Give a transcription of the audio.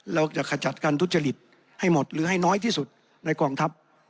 เราจะขจัดการทุจริตให้หมดหรือให้น้อยที่สุดในกองทัพ